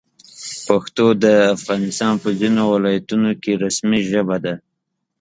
پښتو د افغانستان په ځینو ولایتونو کې رسمي ژبه ده.